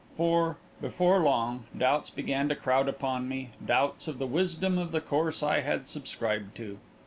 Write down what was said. For, before long, doubts began to crowd upon me doubts of the wisdom of the course I had subscribed to.